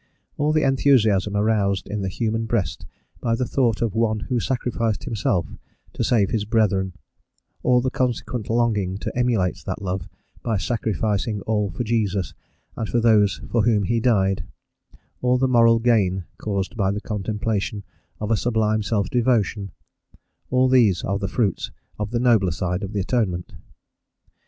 All the enthusiasm aroused in the human breast by the thought of one who sacrificed himself to save his brethren, all the consequent longing to emulate that love by sacrificing all for Jesus and for those for whom he died, all the moral gain caused by the contemplation of a sublime self devotion, all these are the fruits of the nobler side of the Atonement.